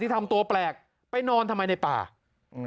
ทำตัวแปลกไปนอนทำไมในป่าอืม